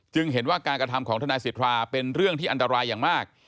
เห็นว่าการกระทำของทนายสิทธาเป็นเรื่องที่อันตรายอย่างมาก